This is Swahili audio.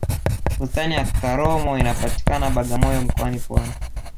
bustani ya karomo inapatikana bagamoyo mkoani pwani